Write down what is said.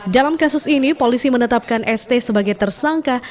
dalam kasus ini polisi menetapkan st sebagai tersangka